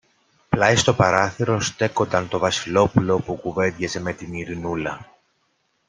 Πλάι στο παράθυρο στέκονταν το Βασιλόπουλο που κουβέντιαζε με την Ειρηνούλα